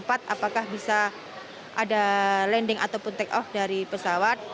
apakah bisa ada landing ataupun take off dari pesawat